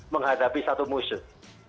menghadapi satu musuh